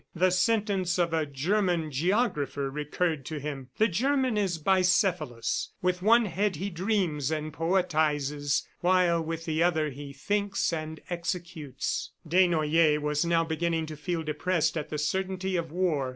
..." The sentence of a German geographer recurred to him: "The German is bicephalous; with one head he dreams and poetizes while with the other he thinks and executes." Desnoyers was now beginning to feel depressed at the certainty of war.